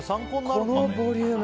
このボリューム